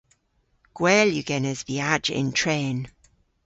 Gwell yw genes viajya yn tren.